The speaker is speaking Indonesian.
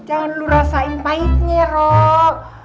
jangan nu rasain pahitnya rok